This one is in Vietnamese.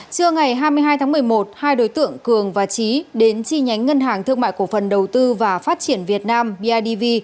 trưa ngày hai mươi hai tháng một mươi một hai đối tượng cường và trí đến chi nhánh ngân hàng thương mại cổ phần đầu tư và phát triển việt nam bidv